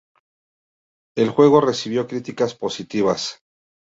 El juego recibió críticas positivas.